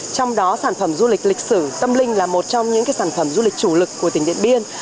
trong đó sản phẩm du lịch lịch sử tâm linh là một trong những sản phẩm du lịch chủ lực của tỉnh điện biên